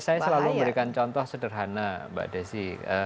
saya selalu memberikan contoh sederhana mbak desi